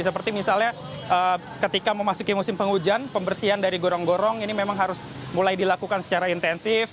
seperti misalnya ketika memasuki musim penghujan pembersihan dari gorong gorong ini memang harus mulai dilakukan secara intensif